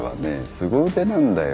すご腕なんだよ。